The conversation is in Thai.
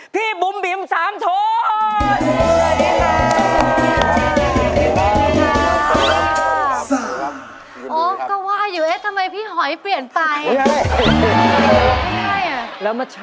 พี่บุ๋มบิ๋มสามโทน